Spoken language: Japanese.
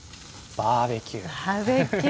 バーベキュー。